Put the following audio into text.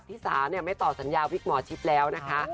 ที่สาไม่ต่อสัญญาวิกหมอชิปแล้วนะคะ